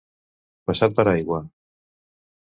Passat per aigua.